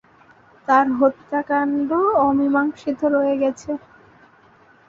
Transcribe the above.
তার হত্যাকাণ্ড অমীমাংসিত রয়ে গেছে।